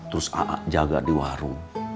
terus aak jaga di warung